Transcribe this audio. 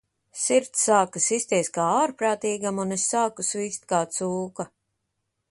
Sirds sāka sisties kā ārprātīgam, un es sāku svīst kā cūka.